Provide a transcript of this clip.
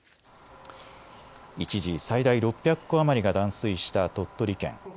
一時最大６００戸余りが断水した鳥取県。